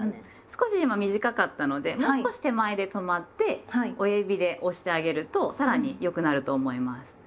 少し今短かったのでもう少し手前で止まって親指で押してあげるとさらに良くなると思います。